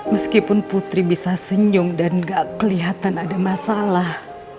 meskipun putri bisa senyum dan gak kelihatan ada masalah